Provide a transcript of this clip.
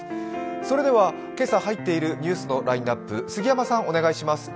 それでは、今朝入っているニュースのラインナップ、杉山さんお願いします。